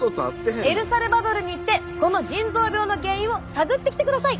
エルサルバドルに行ってこの腎臓病の原因を探ってきてください。